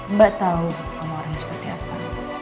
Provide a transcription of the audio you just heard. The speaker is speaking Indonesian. mbak tau kamu orangnya seperti apa